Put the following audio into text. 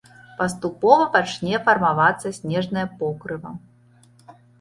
Паступова пачне фармавацца снежнае покрыва.